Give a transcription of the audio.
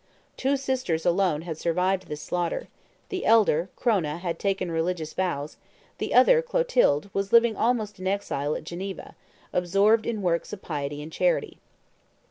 Two sisters alone had survived this slaughter; the elder, Chrona, had taken religions vows, the other, Clotilde, was living almost in exile at Geneva, absorbed in works of piety and charity.